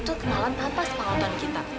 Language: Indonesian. itu kenalan tanpa sepangotan kita